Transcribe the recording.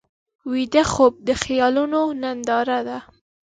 ویده خوب د خیالونو ننداره ده